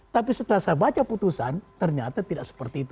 tapi setelah saya baca putusan ternyata tidak seperti itu